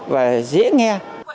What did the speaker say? và dễ nghe